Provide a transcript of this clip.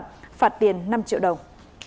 phạt tiền năm triệu đồng